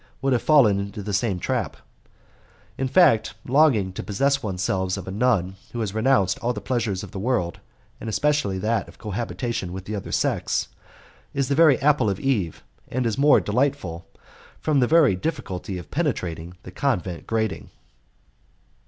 would have fallen into the same trap. In fact, the longing to possess one's self of a nun who has renounced all the pleasures of the world, and especially that of cohabitation with the other sex, is the very apple of Eve, and is more delightful from the very difficulty of penetrating the convent grating.